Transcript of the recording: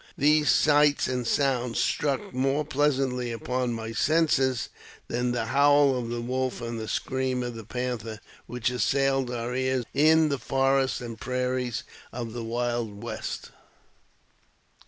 These sights and sounds struck more pleasantly upon my senses than the howl of the wolf and the scream of the panther, which assailed our €ars in the forests and prairies of the wild West.